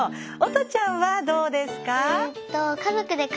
音ちゃんはどうですか？